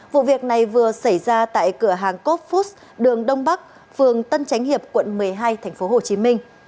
vụ việc này vừa xảy ra tại cửa hàng cop food đường đông bắc phường tân chánh hiệp quận một mươi hai tp hcm